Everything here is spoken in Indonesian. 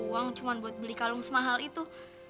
uang cuma buat beli kalung semahal itu